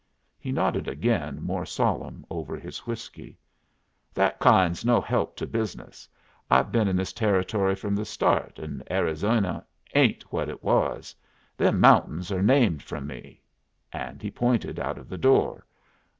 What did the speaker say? He nodded again, more solemn over his whiskey. "That kind's no help to business. I've been in this Territory from the start, and Arizona ain't what it was. Them mountains are named from me." And he pointed out of the door.